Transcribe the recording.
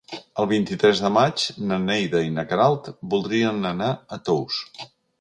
El vint-i-tres de maig na Neida i na Queralt voldrien anar a Tous.